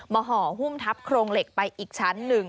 ห่อหุ้มทับโครงเหล็กไปอีกชั้นหนึ่ง